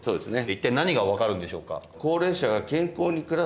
一体何が分かるんでしょうか？